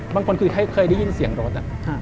บางคนคือเคยได้ยินเสียงรถ